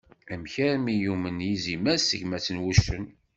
Amek armi yumen yizimer s tegmat n wuccen?